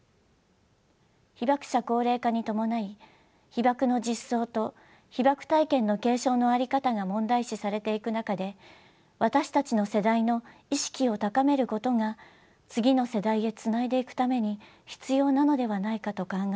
被爆者高齢化に伴い被爆の実相と被爆体験の継承の在り方が問題視されていく中で私たちの世代の意識を高めることが次の世代へつないでいくために必要なのではないかと考え